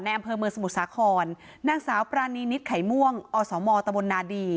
อำเภอเมืองสมุทรสาครนางสาวปรานีนิดไข่ม่วงอสมตะบนนาดี